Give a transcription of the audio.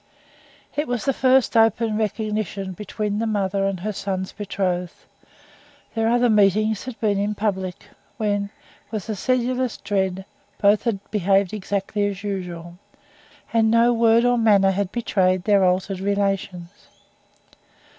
It was the first open recognition between the mother and her son's betrothed. Their other meeting had been in public, when, with a sedulous dread, both had behaved exactly as usual, and no word or manner had betrayed their altered relations.